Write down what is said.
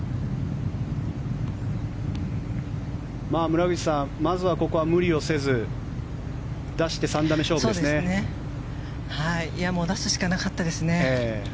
村口さん、まずはここは無理をせず出すしかなかったですね。